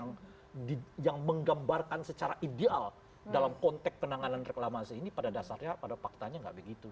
yang menggambarkan secara ideal dalam konteks penanganan reklamasi ini pada dasarnya pada faktanya nggak begitu